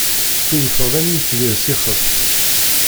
Ttewwteɣ am yitbir s ixef.